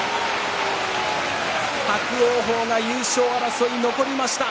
伯桜鵬、優勝争いに残りました。